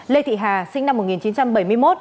lê thị hà sinh năm một nghìn chín trăm bảy mươi một